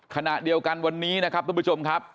ขณะเดียวกันวันนี้นะครับทุกผู้ชมครับ